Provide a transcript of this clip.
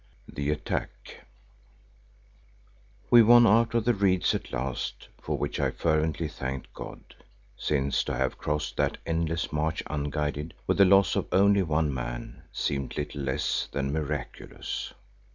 THE ATTACK We won out of the reeds at last, for which I fervently thanked God, since to have crossed that endless marsh unguided, with the loss of only one man, seemed little less than miraculous.